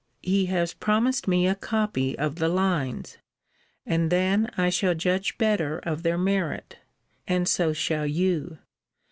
He has promised me a copy of the lines; and then I shall judge better of their merit; and so shall you.